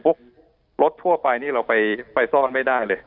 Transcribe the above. พวกรถทั่วไปเราไปซ่อนไม่ได้เลย